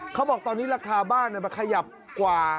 เขาบอกตอนนี้ราคาบ้านมันขยับกว่า